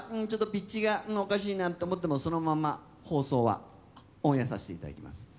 ちょっとピッチがおかしいなと思ってもそのまま放送はオンエアさせていただきます